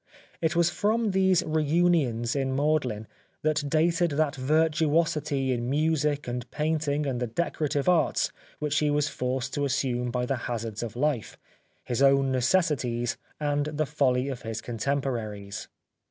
It was from these reunions in Magdalen that dated that virtuosity in music and painting and the decorative arts which he was forced to assume by the hazards of life, his own necessities and the folly of his contemporaries.